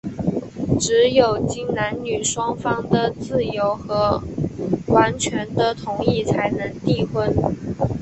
只有经男女双方的自由和完全的同意,才能缔婚。